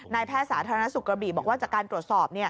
แพทย์สาธารณสุขกระบี่บอกว่าจากการตรวจสอบ